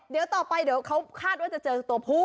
เดี๋ยวต่อไปเขาคาดว่าจะเจอตัวพู่